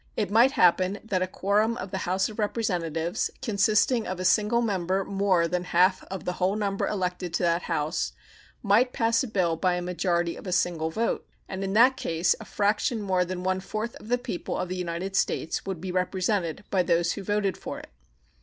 It might happen that a quorum of the House of Representatives, consisting of a single member more than half of the whole number elected to that House, might pass a bill by a majority of a single vote, and in that case a fraction more than one fourth of the people of the United States would be represented by those who voted for it.